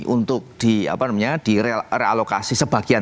untuk di realokasi sebagian